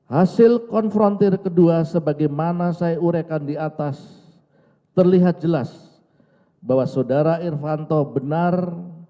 hasil konfrontir kedua sebagaimana saya urekan di atas terlihat jelas bahwa saudara irvanto benar